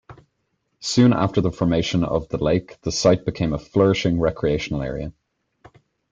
Soon after the formation of the lake, the site became a flourishing recreational area.